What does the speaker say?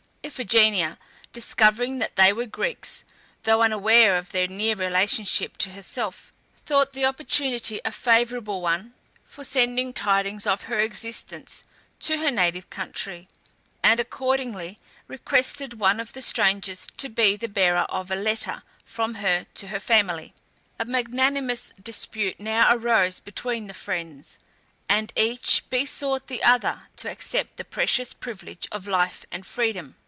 Iphigenia, discovering that they were Greeks, though unaware of their near relationship to herself, thought the opportunity a favourable one for sending tidings of her existence to her native country, and, accordingly, requested one of the strangers to be the bearer of a letter from her to her family. A magnanimous dispute now arose between the friends, and each besought the other to accept the precious privilege of life and freedom.